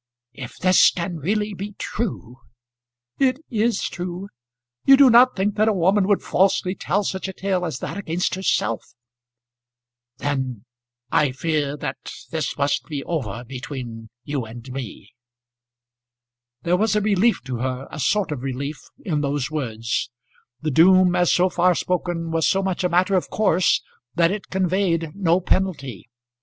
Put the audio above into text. "If this can really be true " "It is true. You do not think that a woman would falsely tell such a tale as that against herself!" "Then I fear that this must be over between you and me." There was a relief to her, a sort of relief, in those words. The doom as so far spoken was so much a matter of course that it conveyed no penalty.